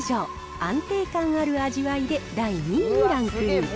安定感ある味わいで第２位にランクイン。